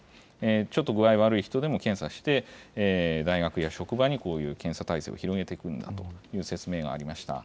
ちょっと具合悪い人でも検査して、大学や職場にこういう検査体制を広げていくんだという説明がありました。